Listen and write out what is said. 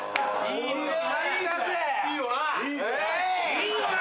いいよな？